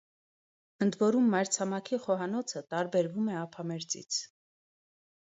Ընդ որում, մայրցամաքի խոհանոցը տարբերվում է ափամերձից։